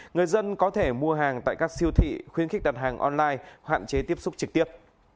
người dân có thể mua hàng tại các siêu thị khuyến khích đặt hàng online hạn chế tiếp xúc trực tiếp